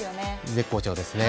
絶好調ですね。